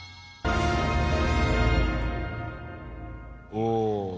おお！